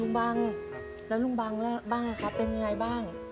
ลุงบังแล้วลุงบังบ้างอะครับเป็นไงบ้าง